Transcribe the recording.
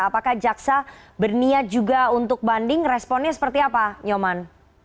apakah jaksa berniat juga untuk banding responnya seperti apa nyoman